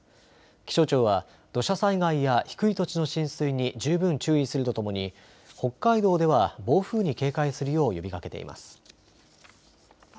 気象庁は土砂災害や低い土地の浸水に十分注意するとともに北海道では暴風に警戒するよう呼びかけています。